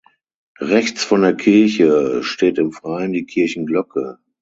Rechts von der Kirche steht im Freien die Kirchenglocke.